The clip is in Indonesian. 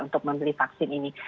untuk membeli vaksin ini